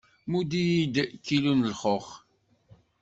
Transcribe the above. Mudd-iyi-d kilu n lxux.